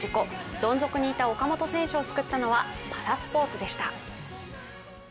どん底にいた岡本選手を救ったのは、パラスポーツでした。